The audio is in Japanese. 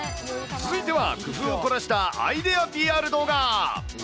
続いては工夫を凝らしたアイデアＰＲ動画。